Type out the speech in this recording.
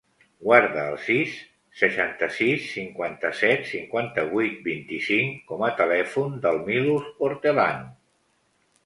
Guarda el sis, seixanta-sis, cinquanta-set, cinquanta-vuit, vint-i-cinc com a telèfon del Milos Hortelano.